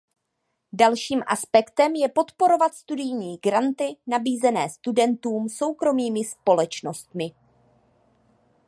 Dalším aspektem je podporovat studijní granty nabízené studentům soukromými společnostmi.